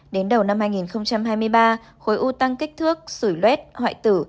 đến đầu năm hai nghìn hai mươi ba khối u tăng kích thước sủi luet hoại tử